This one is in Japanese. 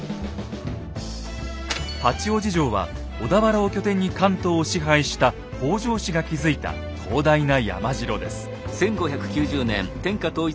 八王子城は小田原を拠点に関東を支配した北条氏が築いた広大な山城です。